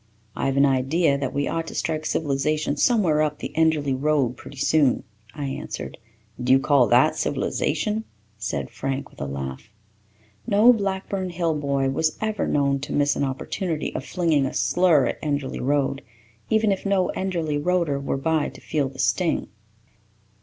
"I have an idea that we ought to strike civilization somewhere up the Enderly Road pretty soon," I answered. "Do you call that civilization?" said Frank, with a laugh. No Blackburn Hill boy was ever known to miss an opportunity of flinging a slur at Enderly Road, even if no Enderly Roader were by to feel the sting.